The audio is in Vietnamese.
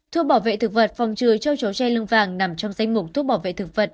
thuốc bảo vệ thực vật phòng trừ châu chấu tre lương vàng nằm trong danh mục thuốc bảo vệ thực vật